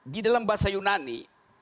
di dalam bahasa yunani